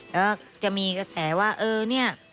แล้วก็จะมีกระแสว่าเออเนี่ย